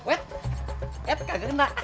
eh enggak kena